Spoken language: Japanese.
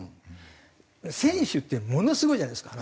選手ってものすごいじゃないですかあの人たち。